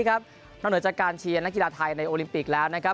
นอกเหนือจากการเชียร์นักกีฬาไทยในโอลิมปิกแล้วนะครับ